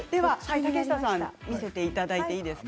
竹下さん見せていただいていいですか？